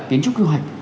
kiến trúc kế hoạch